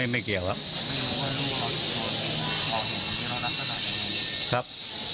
ไม่เกี่ยวครับ